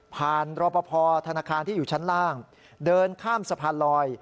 รอปภธนาคารที่อยู่ชั้นล่างเดินข้ามสะพานลอย